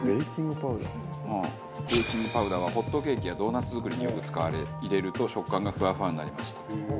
ベーキングパウダーはホットケーキやドーナツ作りによく使われ入れると食感がふわふわになりますと。